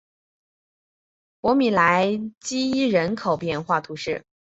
博米莱基伊人口变化图示